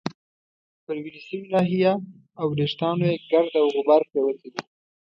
پر وینې شوې ناحیه او وریښتانو يې ګرد او غبار پرېوتی وو.